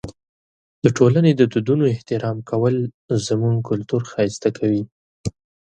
د ټولنې د دودونو احترام کول زموږ کلتور ښایسته کوي.